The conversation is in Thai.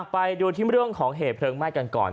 ไปดูที่เรื่องของเหตุเพลิงไหม้กันก่อน